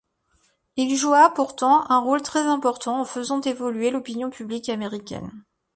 Il joua, pourtant, un rôle très important en faisant évoluer l'opinion publique américaine.